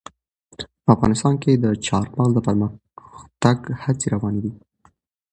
افغانستان کې د چار مغز د پرمختګ هڅې روانې دي.